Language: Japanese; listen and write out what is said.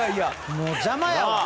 もう邪魔やわ。